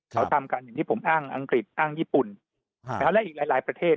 เขาทำกันอย่างที่ผมอ้างอังกฤษอ้างญี่ปุ่นและอีกหลายประเทศ